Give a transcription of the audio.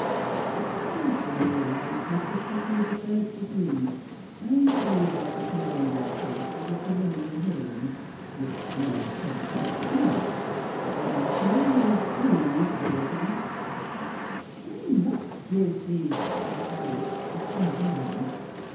The prosecu tion will likely put you through the third degree. I'm told they're preparing their case for the pre liminary hearing, which may take place tomorrow. But until you're proved guilty "" I'm not guilty," said Harry, with some vio lence.